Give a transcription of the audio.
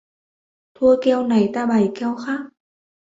Thua keo này bày keo khác